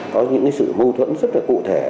có những sự mâu thuẫn rất là cụ thể